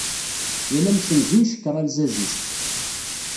Yal amsenzu icekkeṛ alzaz-is.